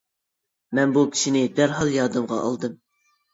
مەن بۇ كىشىنى دەرھال يادىمغا ئالدىم.